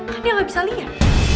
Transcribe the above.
kan dia gak bisa liat